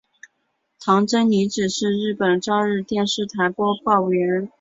堂真理子是日本朝日电视台播报员。